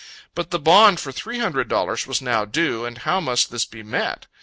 But the bond for three hundred dollars was now due, and how must this be met?